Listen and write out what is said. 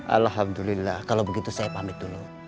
alhamdulillah kalau begitu saya pamit dulu